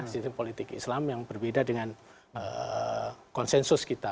sistem politik islam yang berbeda dengan konsensus kita